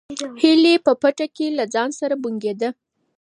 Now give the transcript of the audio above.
هیلې په پټه کې له ځان سره بونګېده.